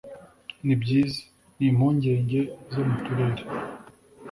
"nibyiza. ni impungenge zo mu turere.